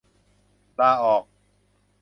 ลาออก